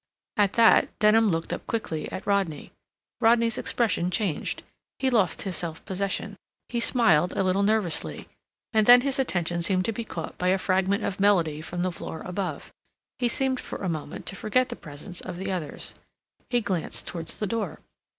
At that Denham looked up quickly at Rodney. Rodney's expression changed. He lost his self possession. He smiled a little nervously, and then his attention seemed to be caught by a fragment of melody from the floor above. He seemed for a moment to forget the presence of the others. He glanced towards the door.